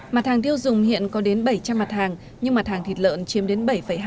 mặt hàng tiêu dùng hiện có đến bảy trăm linh mặt hàng nhưng mặt hàng thịt lợn chiếm đến bảy hai